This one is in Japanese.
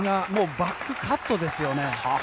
バックカットですよね。